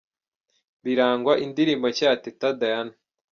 Birangwa, indirimbo nshya ya Teta Diana.